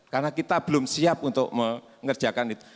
karena kita belum siap untuk mengerjakan itu